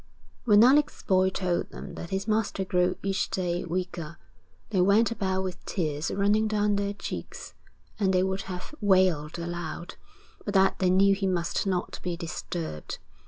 When Alec's boy told them that his master grew each day weaker, they went about with tears running down their cheeks, and they would have wailed aloud, but that they knew he must not be disturbed.